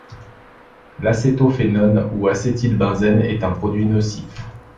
L'acétophénone ou acétylbenzène est un produit nocif.